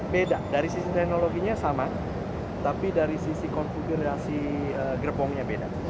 beda dari sisi teknologinya sama tapi dari sisi konfigurasi gerbongnya beda